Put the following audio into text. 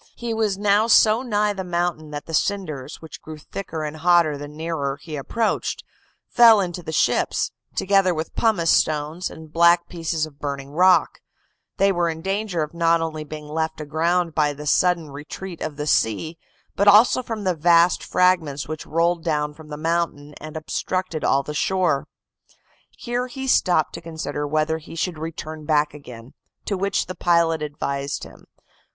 He was now so nigh the mountain that the cinders, which grew thicker and hotter the nearer he approached, fell into the ships, together with pumice stones, and black pieces of burning rock; they were in danger of not only being left aground by the sudden retreat of the sea, but also from the vast fragments which rolled down from the mountain, and obstructed all the shore. "Here he stopped to consider whether he should return back again; to which the pilot advised him.